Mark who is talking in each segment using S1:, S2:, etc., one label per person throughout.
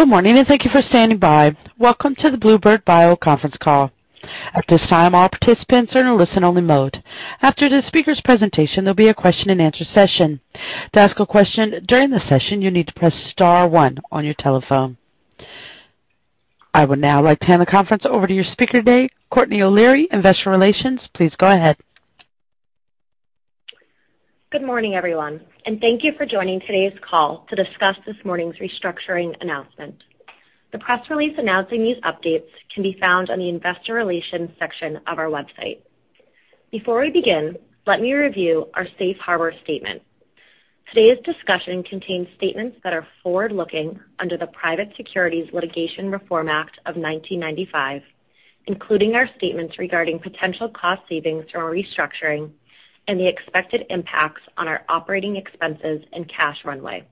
S1: Good morning, and thank you for standing by. Welcome to the bluebird bio conference call. At this time, all participants are in a listen-only mode. After the speaker's presentation, there'll be a question-and-answer session. To ask a question during the session, you need to press star one on your telephone. I would now like to hand the conference over to your speaker today, Courtney O'Leary, Investor Relations. Please go ahead.
S2: Good morning, everyone, and thank you for joining today's call to discuss this morning's restructuring announcement. The press release announcing these updates can be found on the Investor Relations section of our website. Before we begin, let me review our safe harbor statement. Today's discussion contains statements that are forward-looking under the Private Securities Litigation Reform Act of 1995, including our statements regarding potential cost savings from our restructuring and the expected impacts on our operating expenses and cash runway.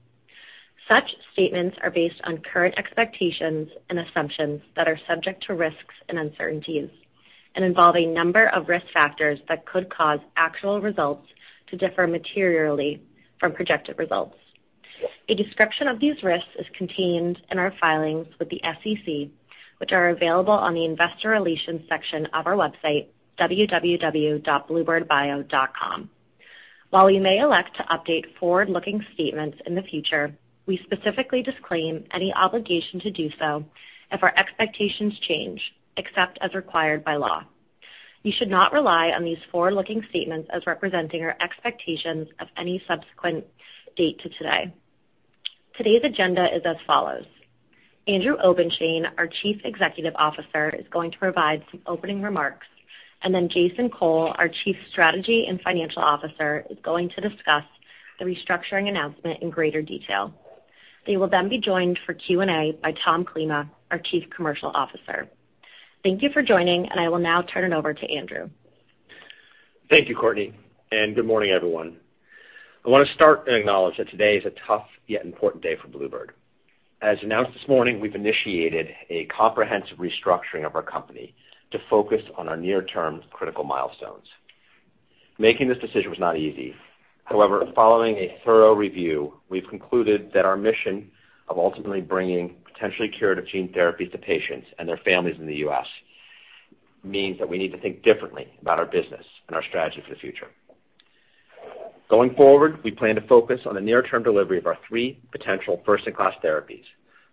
S2: Such statements are based on current expectations and assumptions that are subject to risks and uncertainties and involve a number of risk factors that could cause actual results to differ materially from projected results. A description of these risks is contained in our filings with the SEC, which are available on the Investor Relations section of our website, www.bluebirdbio.com. While we may elect to update forward-looking statements in the future, we specifically disclaim any obligation to do so if our expectations change, except as required by law. You should not rely on these forward-looking statements as representing our expectations of any subsequent date to today. Today's agenda is as follows. Andrew Obenshain, our Chief Executive Officer, is going to provide some opening remarks, and then Jason Cole, our Chief Strategy and Financial Officer, is going to discuss the restructuring announcement in greater detail. They will then be joined for Q&A by Tom Klima, our Chief Commercial Officer. Thank you for joining, and I will now turn it over to Andrew.
S3: Thank you, Courtney, and good morning, everyone. I want to start and acknowledge that today is a tough yet important day for bluebird bio. As announced this morning, we've initiated a comprehensive restructuring of our company to focus on our near-term critical milestones. Making this decision was not easy. However, following a thorough review, we've concluded that our mission of ultimately bringing potentially curative gene therapies to patients and their families in the U.S. means that we need to think differently about our business and our strategy for the future. Going forward, we plan to focus on the near-term delivery of our three potential first-in-class therapies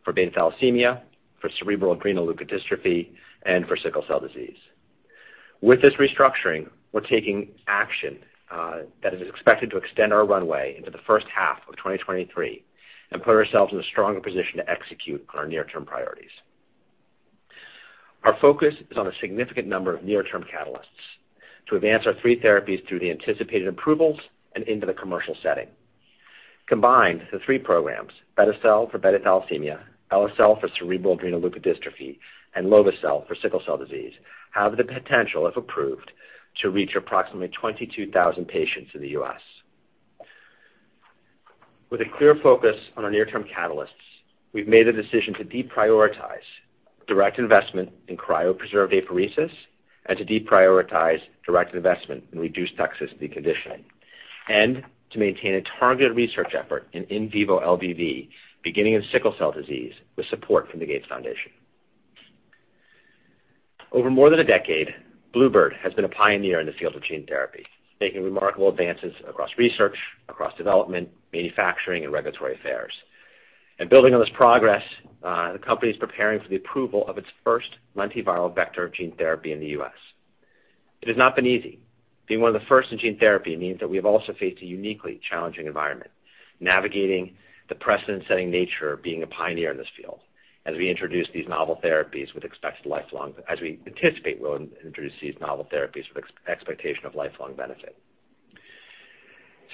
S3: for beta thalassemia, for cerebral adrenoleukodystrophy, and for sickle cell disease. With this restructuring, we're taking action that is expected to extend our runway into the first half of 2023 and put ourselves in a stronger position to execute on our near-term priorities. Our focus is on a significant number of near-term catalysts to advance our three therapies through the anticipated approvals and into the commercial setting. Combined, the three programs, beti-cel for beta thalassemia, eli-cel for cerebral adrenoleukodystrophy, and lovo-cel for sickle cell disease, have the potential, if approved, to reach approximately 22,000 patients in the U.S. With a clear focus on our near-term catalysts, we've made the decision to deprioritize direct investment in cryopreserved apheresis and to deprioritize direct investment in reduced toxicity conditioning, and to maintain a targeted research effort in in vivo LVV, beginning in sickle cell disease with support from the Gates Foundation. Over more than a decade, bluebird bio has been a pioneer in the field of gene therapy, making remarkable advances across research, across development, manufacturing, and regulatory affairs. Building on this progress, the company is preparing for the approval of its first lentiviral vector gene therapy in the U.S. It has not been easy. Being one of the first in gene therapy means that we have also faced a uniquely challenging environment, navigating the precedent-setting nature of being a pioneer in this field. As we anticipate we'll introduce these novel therapies with expectation of lifelong benefit.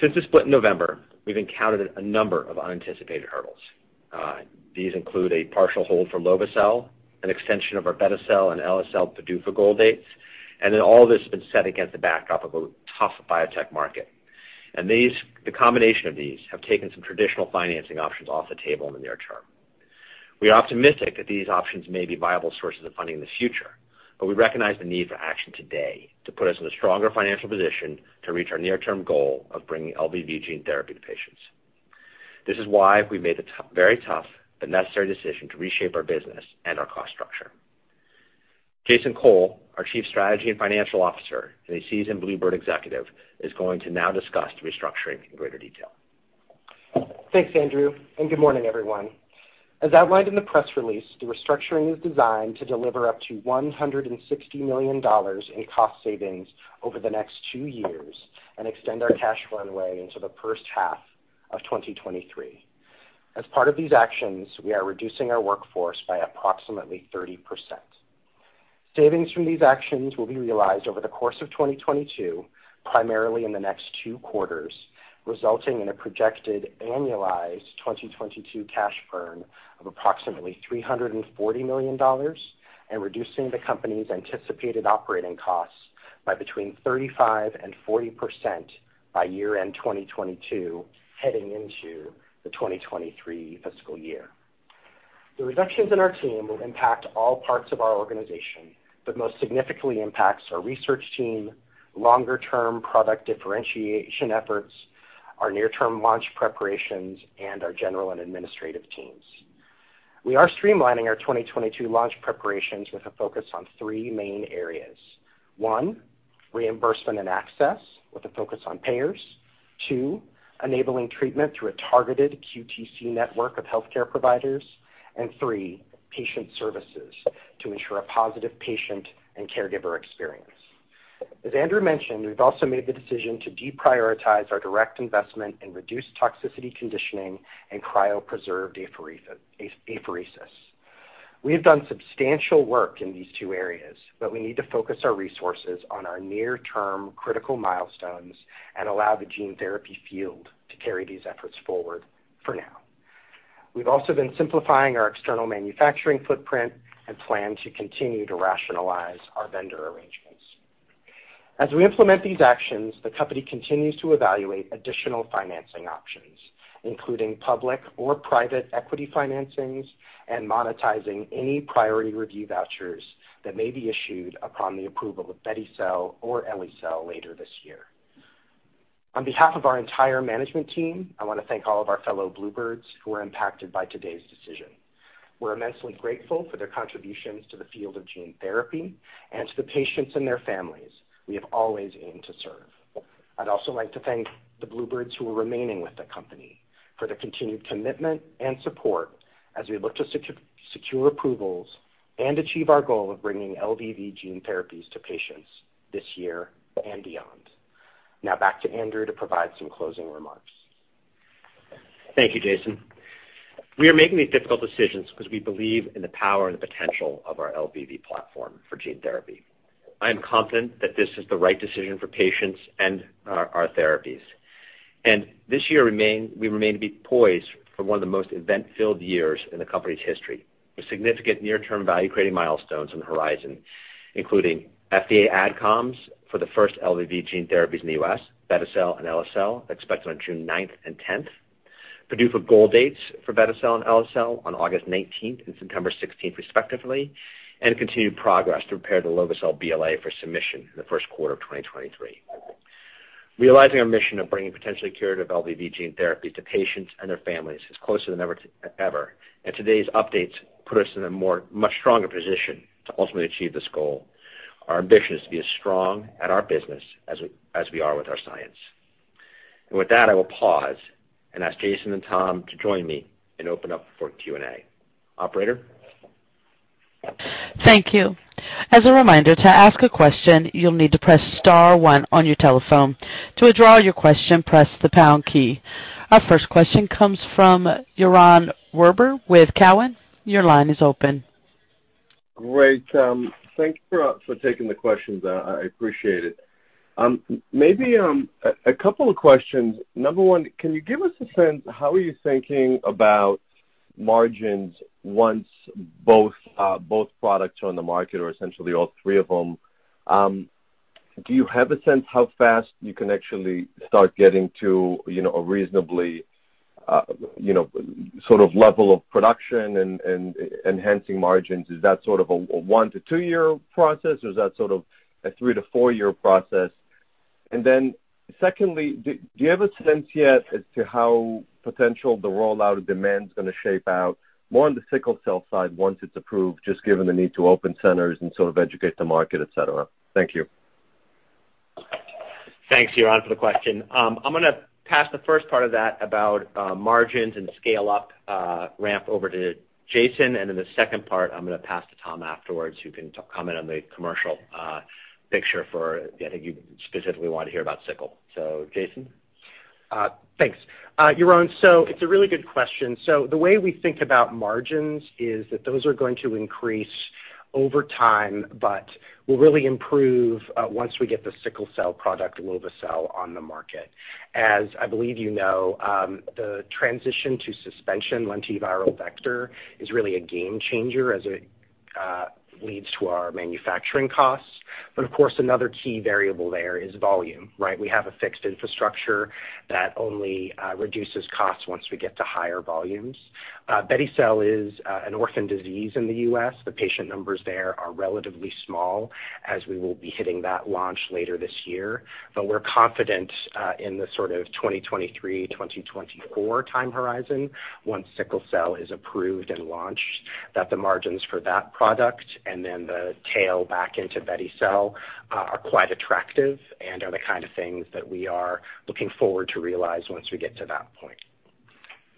S3: Since the split in November, we've encountered a number of unanticipated hurdles. These include a partial hold for lovo-cel, an extension of our beti-cel and eli-cel PDUFA goal dates, and then all of this has been set against the backdrop of a tough biotech market. The combination of these has taken some traditional financing options off the table in the near term. We are optimistic that these options may be viable sources of funding in the future, but we recognize the need for action today to put us in a stronger financial position to reach our near-term goal of bringing LVV gene therapy to patients. This is why we made the very tough but necessary decision to reshape our business and our cost structure. Jason Cole, our Chief Strategy and Financial Officer, and a seasoned bluebird bio executive, is going to now discuss the restructuring in greater detail.
S4: Thanks, Andrew, and good morning, everyone. As outlined in the press release, the restructuring is designed to deliver up to $160 million in cost savings over the next two years and extend our cash runway into the first half of 2023. As part of these actions, we are reducing our workforce by approximately 30%. Savings from these actions will be realized over the course of 2022, primarily in the next two quarters, resulting in a projected annualized 2022 cash burn of approximately $340 million and reducing the company's anticipated operating costs by between 35% and 40% by year-end 2022, heading into the 2023 fiscal year. The reductions in our team will impact all parts of our organization, but most significantly impacts our research team, longer-term product differentiation efforts, our near-term launch preparations, and our general and administrative teams. We are streamlining our 2022 launch preparations with a focus on three main areas. One, reimbursement and access with a focus on payers. Two, enabling treatment through a targeted QTC network of healthcare providers. And three, patient services to ensure a positive patient and caregiver experience. As Andrew mentioned, we've also made the decision to deprioritize our direct investment in reduced toxicity conditioning and cryopreserved apheresis. We have done substantial work in these two areas, but we need to focus our resources on our near-term critical milestones and allow the gene therapy field to carry these efforts forward for now. We've also been simplifying our external manufacturing footprint and plan to continue to rationalize our vendor arrangements. As we implement these actions, the company continues to evaluate additional financing options, including public or private equity financings and monetizing any priority review vouchers that may be issued upon the approval of beti-cel or eli-cel later this year. On behalf of our entire management team, I wanna thank all of our fellow Bluebirds who are impacted by today's decision. We're immensely grateful for their contributions to the field of gene therapy and to the patients and their families we have always aimed to serve. I'd also like to thank the Bluebirds who are remaining with the company for their continued commitment and support as we look to secure approvals and achieve our goal of bringing LVV gene therapies to patients this year and beyond. Now back to Andrew to provide some closing remarks.
S3: Thank you, Jason. We are making these difficult decisions because we believe in the power and the potential of our LVV platform for gene therapy. I'm confident that this is the right decision for patients and our therapies. We remain to be poised for one of the most event-filled years in the company's history, with significant near-term value-creating milestones on the horizon, including FDA AdComs for the first LVV gene therapies in the U.S., beti-cel and eli-cel, expected on June ninth and tenth. PDUFA goal dates for beti-cel and eli-cel on August nineteenth and September sixteenth respectively, and continued progress to prepare the lovo-cel BLA for submission in the first quarter of 2023. Realizing our mission of bringing potentially curative LVV gene therapies to patients and their families is closer than ever, and today's updates put us in a much stronger position to ultimately achieve this goal. Our ambition is to be as strong at our business as we are with our science. With that, I will pause and ask Jason and Tom to join me and open up for Q&A. Operator?
S1: Thank you. As a reminder, to ask a question, you'll need to press star one on your telephone. To withdraw your question, press the pound key. Our first question comes from Yaron Werber with Cowen. Your line is open.
S5: Great. Thank you for taking the questions. I appreciate it. Maybe a couple of questions. Number one, can you give us a sense how are you thinking about margins once both products are on the market or essentially all three of them? Do you have a sense how fast you can actually start getting to, you know, a reasonably, you know, sort of level of production and enhancing margins? Is that sort of a 1-2-year process, or is that sort of a 3-4-year process? Secondly, do you have a sense yet as to how the potential rollout of demand is gonna shape out more on the sickle cell side once it's approved, just given the need to open centers and sort of educate the market, et cetera? Thank you.
S3: Thanks, Yaron, for the question. I'm gonna pass the first part of that about margins and scale-up ramp over to Jason, and then the second part I'm gonna pass to Tom afterwards, who can comment on the commercial picture for sickle. I think you specifically want to hear about sickle. Jason?
S4: Thanks. Yaron, it's a really good question. The way we think about margins is that those are going to increase over time, but will really improve once we get the sickle cell product, lovo-cel, on the market. As I believe you know, the transition to suspension lentiviral vector is really a game changer as it lowers our manufacturing costs. Of course, another key variable there is volume, right? We have a fixed infrastructure that only reduces costs once we get to higher volumes. Beti-cel is for an orphan disease in the U.S. The patient numbers there are relatively small as we will be hitting that launch later this year. We're confident in the sort of 2023-2024 time horizon, once sickle cell is approved and launched, that the margins for that product and then the tail back into beti-cel are quite attractive and are the kind of things that we are looking forward to realize once we get to that point.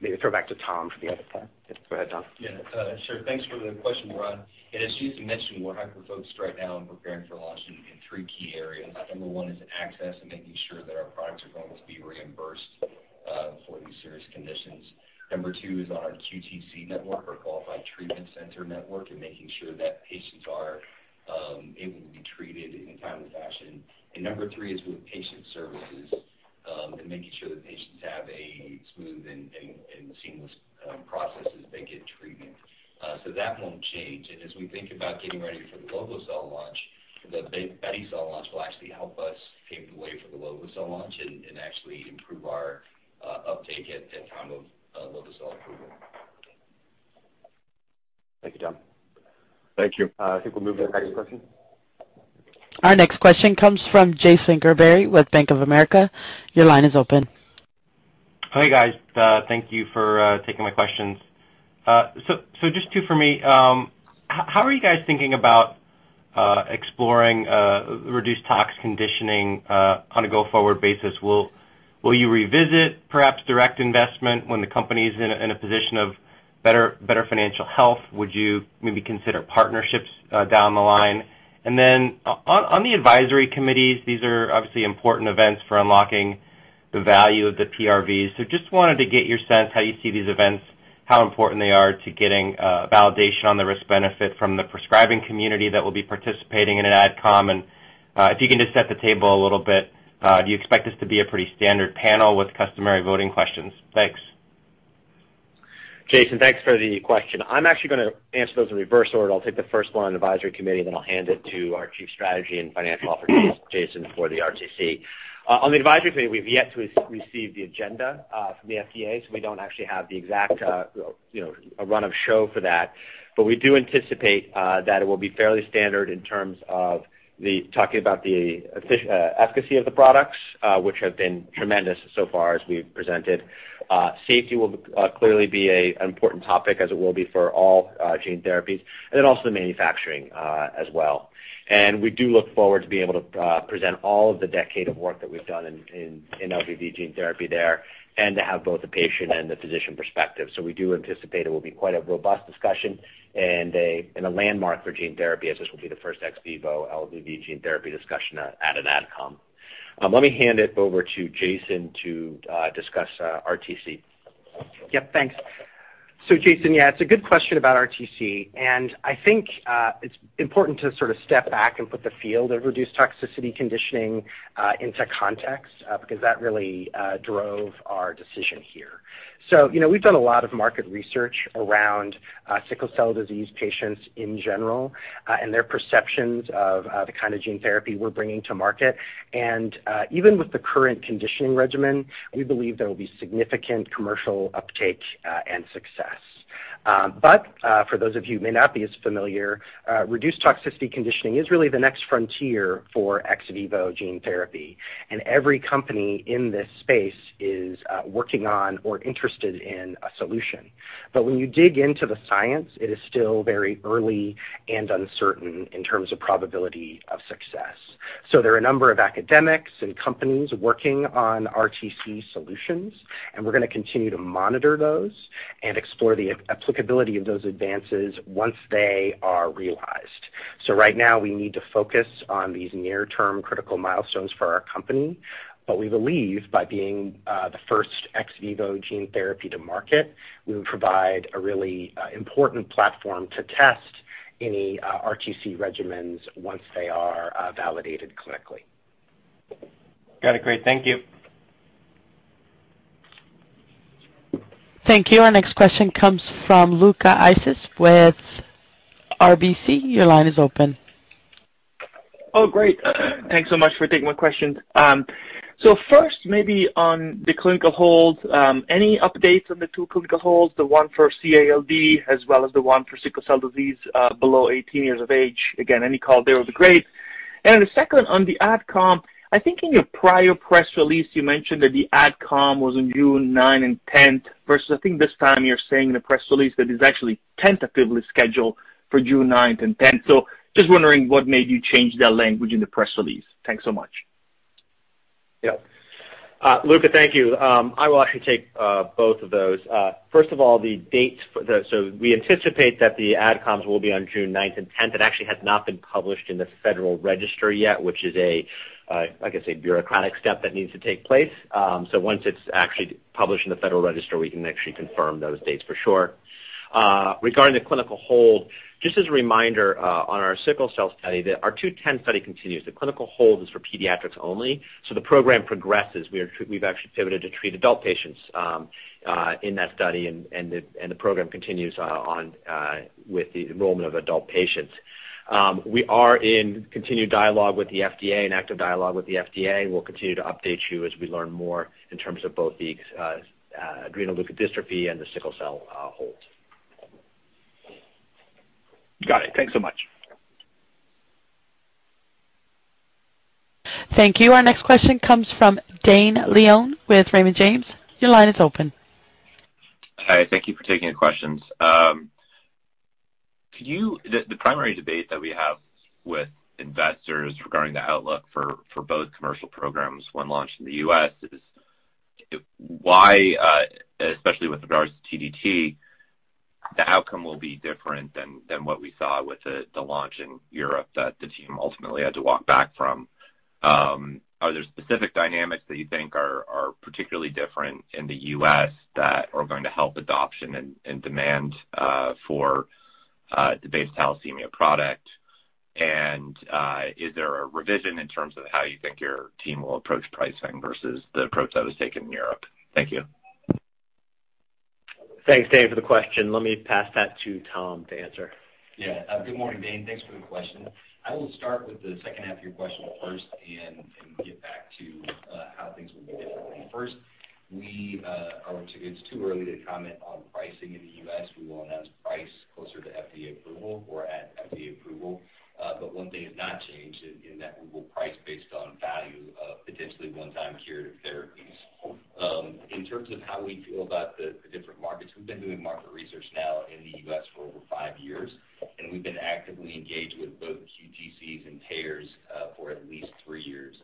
S4: Maybe throw back to Tom for the other part. Go ahead, Tom.
S6: Yeah. Sure. Thanks for the question, Yaron. As Jason mentioned, we're hyper-focused right now on preparing for launch in three key areas. Number one is access and making sure that our products are going to be reimbursed for these serious conditions. Number two is on our QTC network, our Qualified Treatment Center network, and making sure that patients are able to be treated in a timely fashion. Number three is with patient services, and making sure that patients have a smooth and seamless process as they get treatment. So that won't change. As we think about getting ready for the lovo-cel launch, the beti-cel launch will actually help us pave the way for the lovo-cel launch and actually improve our uptake at time of lovo-cel approval.
S5: Thank you, Tom.
S3: Thank you. I think we'll move to the next question.
S1: Our next question comes from Jason Gerberry with Bank of America. Your line is open.
S7: Hey, guys. Thank you for taking my questions. So just two for me. How are you guys thinking about exploring reduced tox conditioning on a go-forward basis? Will you revisit perhaps direct investment when the company is in a position of better financial health? Would you maybe consider partnerships down the line? On the advisory committees, these are obviously important events for unlocking the value of the PRVs. Just wanted to get your sense how you see these events, how important they are to getting validation on the risk benefit from the prescribing community that will be participating in an AdCom. If you can just set the table a little bit, do you expect this to be a pretty standard panel with customary voting questions? Thanks.
S3: Jason, thanks for the question. I'm actually gonna answer those in reverse order. I'll take the first one on advisory committee, then I'll hand it to our Chief Strategy and Financial Officer, Jason, for the RTC. On the advisory committee, we've yet to receive the agenda from the FDA, so we don't actually have the exact, you know, a run of show for that. We do anticipate that it will be fairly standard in terms of the talking about the efficacy of the products, which have been tremendous so far as we've presented. Safety will clearly be an important topic as it will be for all gene therapies, and then also the manufacturing as well. We do look forward to being able to present all of the decade of work that we've done in LVV gene therapy there and to have both the patient and the physician perspective. We do anticipate it will be quite a robust discussion and a landmark for gene therapy, as this will be the first ex vivo LVV gene therapy discussion at an AdCom. Let me hand it over to Jason to discuss RTC.
S4: Yep, thanks. Jason, yeah, it's a good question about RTC, and I think it's important to sort of step back and put the field of reduced toxicity conditioning into context, because that really drove our decision here. You know, we've done a lot of market research around sickle cell disease patients in general, and their perceptions of the kind of gene therapy we're bringing to market. Even with the current conditioning regimen, we believe there will be significant commercial uptake and success. For those of you who may not be as familiar, reduced toxicity conditioning is really the next frontier for ex vivo gene therapy, and every company in this space is working on or interested in a solution. When you dig into the science, it is still very early and uncertain in terms of probability of success. There are a number of academics and companies working on RTC solutions, and we're gonna continue to monitor those and explore the applicability of those advances once they are realized. Right now, we need to focus on these near-term critical milestones for our company. We believe by being the first ex vivo gene therapy to market, we would provide a really important platform to test any RTC regimens once they are validated clinically.
S7: Got it. Great. Thank you.
S1: Thank you. Our next question comes from Luca Issi with RBC. Your line is open.
S8: Oh, great. Thanks so much for taking my questions. First, maybe on the clinical hold, any updates on the two clinical holds, the one for CALD as well as the one for sickle cell disease, below 18 years of age? Again, any color there would be great. The second on the AdCom, I think in your prior press release, you mentioned that the AdCom was on June ninth and tenth versus I think this time you're saying in the press release that it is actually tentatively scheduled for June ninth and tenth. Just wondering what made you change that language in the press release. Thanks so much.
S3: Luca, thank you. I will actually take both of those. First of all, the dates for the AdComs will be on June ninth and tenth. It actually has not been published in the Federal Register yet, which is a, like I say, bureaucratic step that needs to take place. Once it's actually published in the Federal Register, we can actually confirm those dates for sure. Regarding the clinical hold, just as a reminder, on our sickle cell study, our HGB-210 study continues. The clinical hold is for pediatrics only, so the program progresses. We've actually pivoted to treat adult patients in that study and the program continues with the enrollment of adult patients. We are in continued dialogue with the FDA, in active dialogue with the FDA, and we'll continue to update you as we learn more in terms of both the adrenoleukodystrophy and the sickle cell hold.
S8: Got it. Thanks so much.
S1: Thank you. Our next question comes from Dane Leone with Raymond James. Your line is open.
S9: Hi. Thank you for taking the questions. The primary debate that we have with investors regarding the outlook for both commercial programs when launched in the U.S. is why, especially with regards to TDT, the outcome will be different than what we saw with the launch in Europe that the team ultimately had to walk back from. Are there specific dynamics that you think are particularly different in the U.S. that are going to help adoption and demand for the beta thalassemia product? And is there a revision in terms of how you think your team will approach pricing versus the approach that was taken in Europe? Thank you.
S3: Thanks, Dane, for the question. Let me pass that to Tom to answer.
S6: Yeah. Good morning, Dane. Thanks for the question. I will start with the second half of your question first and get back to how things will be different. First, it's too early to comment on pricing in the U.S. We will announce price closer to FDA approval or at FDA approval. But one thing has not changed in that we will price based on value of potentially one-time curative therapies. In terms of how we feel about the different markets, we've been doing market research now in the U.S. for over five years, and we've been actively engaged with both QTCs and payers for at least three years.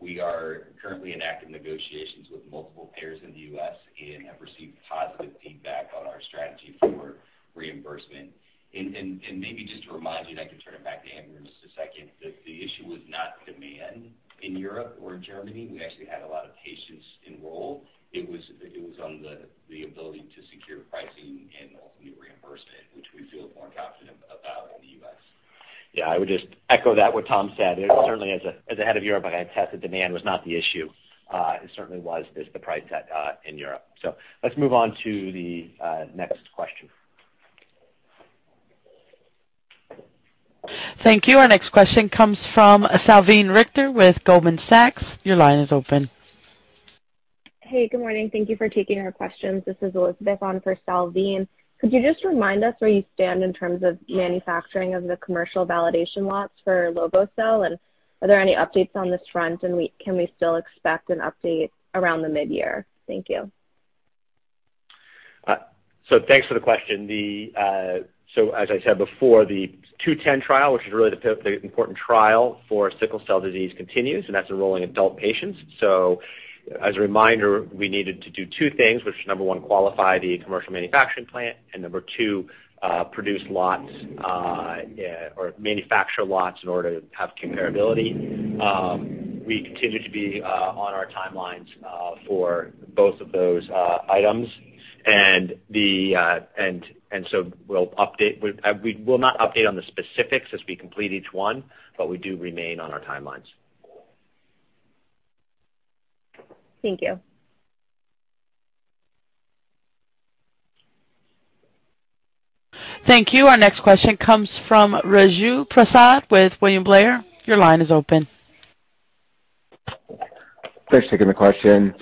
S6: We are currently in active negotiations with multiple payers in the U.S. and have received positive feedback on our strategy for reimbursement. Maybe just to remind you, I can turn it back to Andrew in just a second. The issue was not demand in Europe or in Germany. We actually had a lot of patients enrolled. It was on the ability to secure pricing and ultimately reimbursement, which we feel more confident about in the U.S.
S3: Yeah. I would just echo what Tom said. Certainly as a head of Europe, I can attest that demand was not the issue. It certainly was just the price set in Europe. Let's move on to the next question.
S1: Thank you. Our next question comes from Salveen Richter with Goldman Sachs. Your line is open.
S10: Hey, good morning. Thank you for taking our questions. This is Elizabeth on for Salveen. Could you just remind us where you stand in terms of manufacturing of the commercial validation lots for lovo-cel? And are there any updates on this front, and can we still expect an update around the mid-year? Thank you.
S3: Thanks for the question. As I said before, the 210 trial, which is really the important trial for sickle cell disease continues, and that's enrolling adult patients. As a reminder, we needed to do two things, which is, number one, qualify the commercial manufacturing plant, and number two, produce lots or manufacture lots in order to have comparability. We continue to be on our timelines for both of those items. We will not update on the specifics as we complete each one, but we do remain on our timelines.
S10: Thank you.
S1: Thank you. Our next question comes from Raju Prasad with William Blair. Your line is open.
S11: Thanks for taking the question.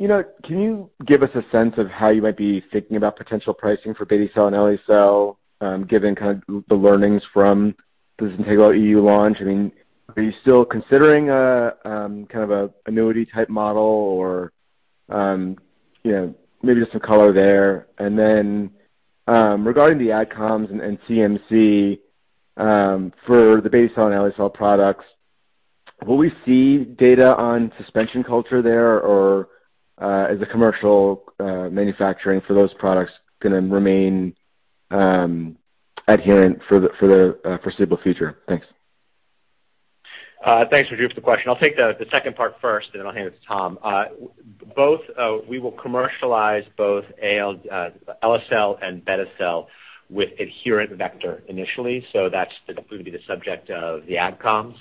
S11: You know, can you give us a sense of how you might be thinking about potential pricing for beti-cel and lovo-cel, given kind of the learnings from the ZYNTEGLO EU launch? I mean, are you still considering a kind of a annuity type model or, you know, maybe just some color there. Regarding the AdComs and CMC for the beti-cel and lovo-cel products, will we see data on suspension culture there, or is the commercial manufacturing for those products gonna remain adherent for the foreseeable future? Thanks.
S3: Thanks, Raju, for the question. I'll take the second part first, and then I'll hand it to Tom. We will commercialize both lovo-cel and beti-cel with adherent vector initially, so that's going to be the subject of the AdComs.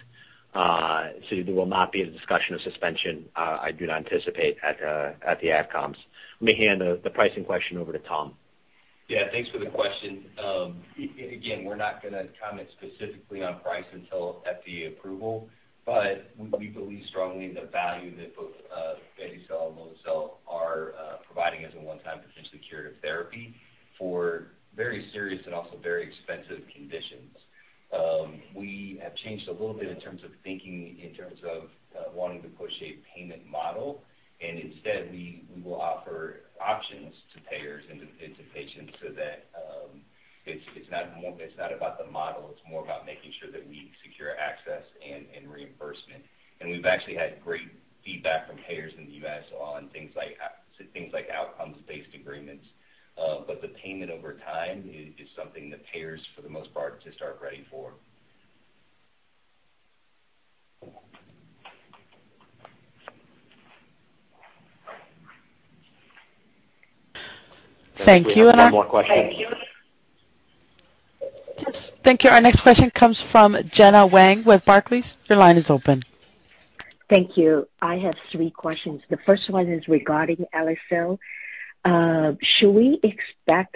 S3: There will not be a discussion of suspension I do not anticipate at the AdComs. Let me hand the pricing question over to Tom.
S6: Yeah, thanks for the question. Again, we're not gonna comment specifically on price until FDA approval, but we believe strongly the value that both beti-cel and lovo-cel are providing as a one-time potentially curative therapy for very serious and also very expensive conditions. We have changed a little bit in terms of thinking in terms of wanting to push a payment model, and instead we will offer options to payers and to patients so that it's not about the model, it's more about making sure that we secure access and reimbursement. We've actually had great feedback from payers in the U.S. on things like outcomes-based agreements. The payment over time is something that payers, for the most part, just aren't ready for.
S1: Thank you.
S3: We have time for one more question.
S1: Thank you. Our next question comes from Gena Wang with Barclays. Your line is open.
S12: Thank you. I have three questions. The first one is regarding lovo-cel. Should we expect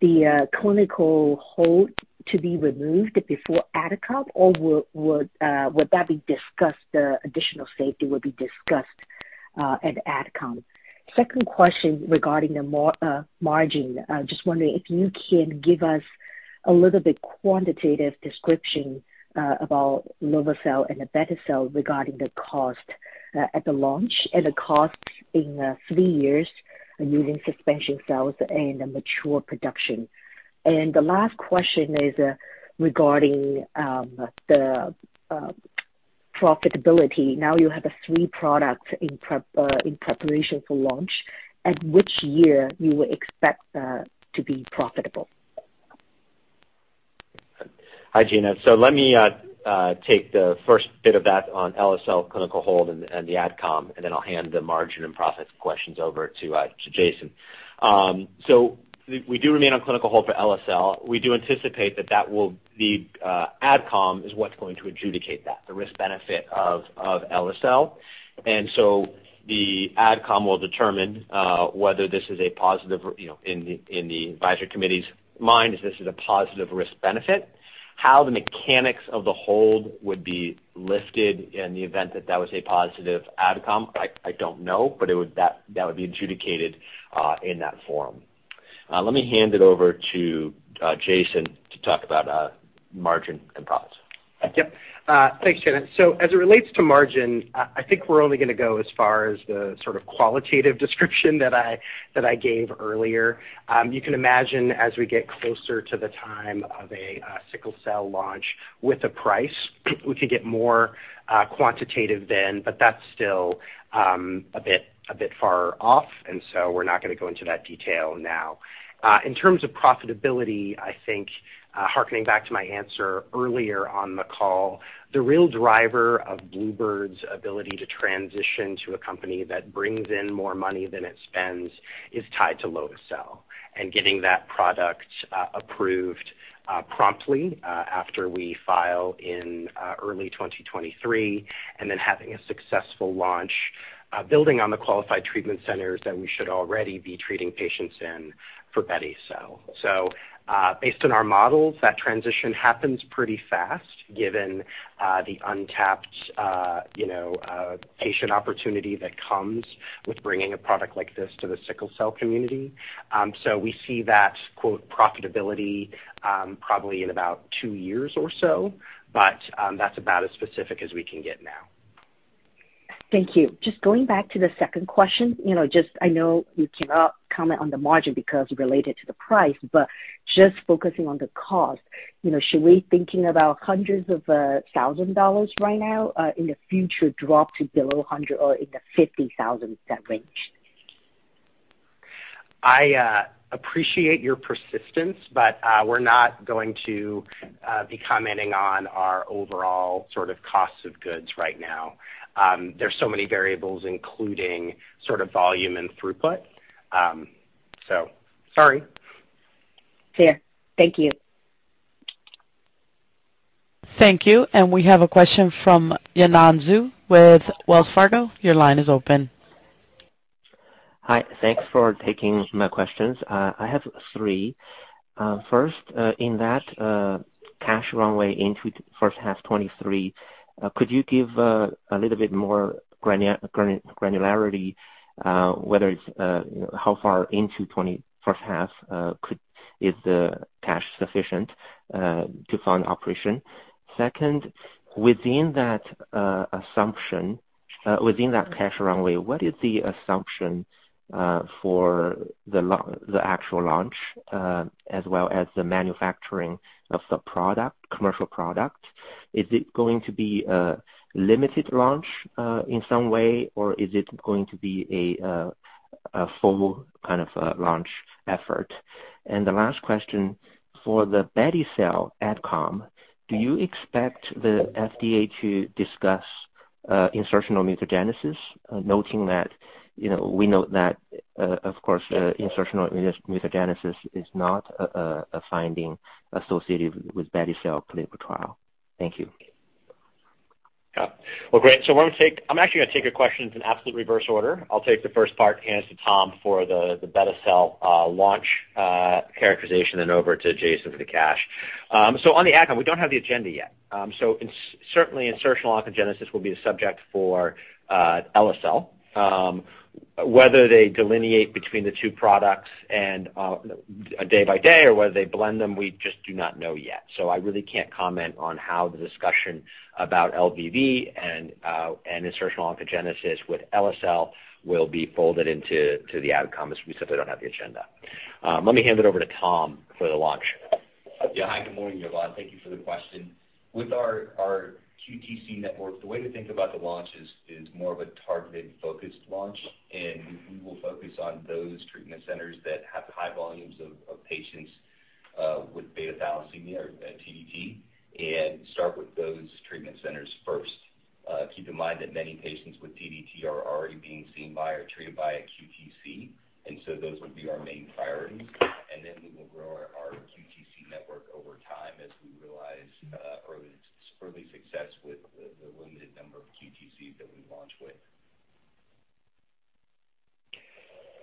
S12: the clinical hold to be removed before AdCom, or would additional safety be discussed at AdCom? Second question regarding the margin. Just wondering if you can give us a little bit quantitative description about lovo-cel and beti-cel regarding the cost at the launch and the cost in three years using suspension cells and the mature production. The last question is regarding the profitability. Now you have three products in preparation for launch. At which year would you expect to be profitable?
S3: Hi, Gina. Let me take the first bit of that on lovo-cel clinical hold and the AdCom, and then I'll hand the margin and profits questions over to Jason. We do remain on clinical hold for lovo-cel. We do anticipate that will be AdCom is what's going to adjudicate that, the risk benefit of lovo-cel. The AdCom will determine whether this is a positive, you know, in the advisory committee's mind, if this is a positive risk benefit. How the mechanics of the hold would be lifted in the event that that was a positive AdCom, I don't know, but that would be adjudicated in that forum. Let me hand it over to Jason to talk about margin and profits.
S4: Thank you. Yep. Thanks, Gina. As it relates to margin, I think we're only gonna go as far as the sort of qualitative description that I gave earlier. You can imagine as we get closer to the time of a sickle cell launch with a price, we could get more quantitative then, but that's still a bit far off, and so we're not gonna go into that detail now. In terms of profitability, I think, hearkening back to my answer earlier on the call, the real driver of bluebird's ability to transition to a company that brings in more money than it spends is tied to lovo-cel and getting that product approved promptly after we file in early 2023, and then having a successful launch building on the Qualified Treatment Centers that we should already be treating patients in for beti-cel. Based on our models, that transition happens pretty fast, given the untapped you know patient opportunity that comes with bringing a product like this to the sickle cell community. We see that "profitability" probably in about two years or so, but that's about as specific as we can get now.
S12: Thank you. Just going back to the second question. You know, just I know you cannot comment on the margin because related to the price, but just focusing on the cost, you know, should we thinking about hundreds of thousands of dollars right now, in the future drop to below $100,000 or in the $50,000, that range?
S4: I appreciate your persistence, but we're not going to be commenting on our overall sort of costs of goods right now. There's so many variables, including sort of volume and throughput. Sorry.
S12: Clear. Thank you.
S1: Thank you. We have a question from Yanan Zhu with Wells Fargo. Your line is open.
S13: Hi. Thanks for taking my questions. I have three. First, in that cash runway into first half 2023, could you give a little bit more granularity, whether it's how far into the first half. Is the cash sufficient to fund operation? Second, within that assumption, within that cash runway, what is the assumption for the actual launch, as well as the manufacturing of the product, commercial product? Is it going to be a limited launch in some way, or is it going to be a full kind of launch effort? And the last question, for the beti-cel AdCom, do you expect the FDA to discuss insertional mutagenesis? Noting that, you know, we know that, of course, the insertional mutagenesis is not a finding associated with beti-cel clinical trial. Thank you.
S3: Yeah. Well, great. Let me take. I'm actually gonna take your questions in absolute reverse order. I'll take the first part, hand it to Tom for the beti-cel launch characterization, and over to Jason for the cash. On the AdCom, we don't have the agenda yet. Certainly insertional oncogenesis will be the subject for eli-cel. Whether they delineate between the two products and day by day or whether they blend them, we just do not know yet. I really can't comment on how the discussion about LVV and insertional oncogenesis with eli-cel will be folded into the AdCom, as we simply don't have the agenda. Let me hand it over to Tom for the launch.
S6: Yeah. Hi, good morning, Yanan. Thank you for the question. With our QTC network, the way to think about the launch is more of a targeted focused launch, and we will focus on those treatment centers that have high volumes of patients with beta thalassemia or TDT, and start with those treatment centers first. Keep in mind that many patients with TDT are already being seen by or treated by a QTC, and so those would be our main priorities. Then we will grow our QTC network over time as we realize early success with the limited number of QTCs that we launch with.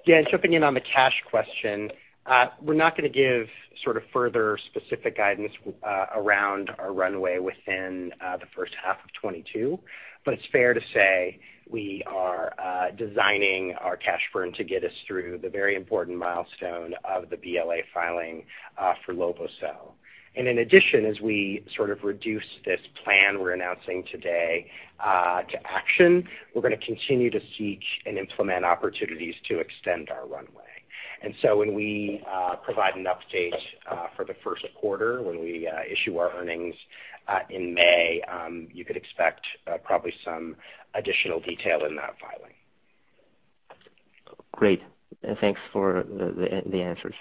S4: Yeah, jumping in on the cash question, we're not gonna give sort of further specific guidance around our runway within the first half of 2022, but it's fair to say we are designing our cash burn to get us through the very important milestone of the BLA filing for lovo-cel. In addition, as we sort of put this plan we're announcing today into action, we're gonna continue to seek and implement opportunities to extend our runway. When we provide an update for the first quarter, when we issue our earnings in May, you could expect probably some additional detail in that filing.
S13: Great. Thanks for the answers.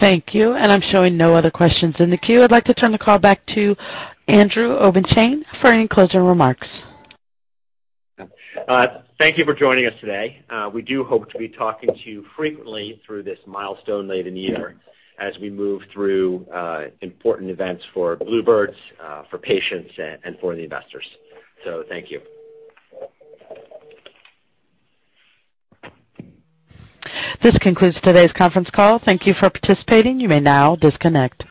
S1: Thank you. I'm showing no other questions in the queue. I'd like to turn the call back to Andrew Obenshain for any closing remarks.
S3: Thank you for joining us today. We do hope to be talking to you frequently through this milestone late in the year as we move through important events for bluebird bio, for patients, and for the investors. Thank you.
S1: This concludes today's conference call. Thank you for participating. You may now disconnect.